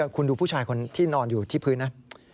คุณดูผู้ชายคนที่นอนอยู่ที่พื้นนะ